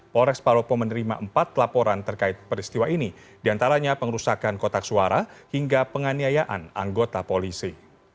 polres palopo menerima empat laporan terkait peristiwa ini diantaranya pengerusakan kotak suara hingga penganiayaan anggota polisi